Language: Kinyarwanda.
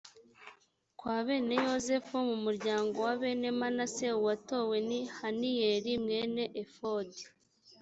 kwa bene yozefu, mu muryango wa bene manase, uwatowe ni haniyeli mwene efodi